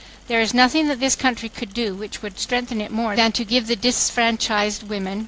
There is nothing that this country could do which would strengthen it more than to give the disfranchised women